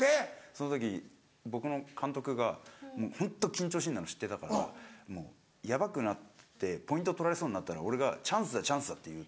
その時僕の監督がホント緊張しぃなの知ってたから「ヤバくなってポイント取られそうになったら俺が『チャンスだチャンスだ』って言う」。